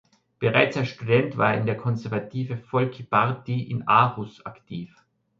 Bereits als Student war er in der Konservative Folkeparti in Aarhus aktiv.